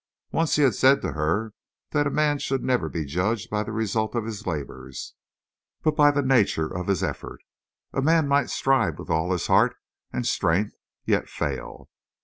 Once he had said to her that a man should never be judged by the result of his labors, but by the nature of his effort. A man might strive with all his heart and strength, yet fail.